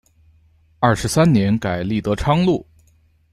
二十三年改隶德昌路。